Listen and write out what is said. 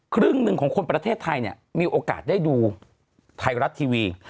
ครึ่งหนึ่งของคนประเทศไทยเนี่ยมีโอกาสได้ดูไทยรัฐทีวี